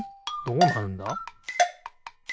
どうなるんだ？